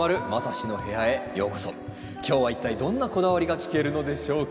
今日は一体どんなこだわりが聞けるのでしょうか？